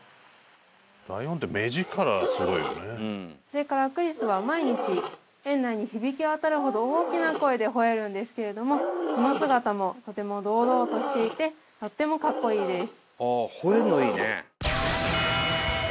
それからクリスは毎日園内に響きわたるほど大きな声でほえるんですけれどもその姿もとても堂々としていてとってもカッコいいです